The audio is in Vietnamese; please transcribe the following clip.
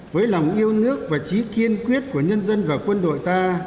với lòng yêu nước và trí kiên quyết của nhân dân và quân đội ta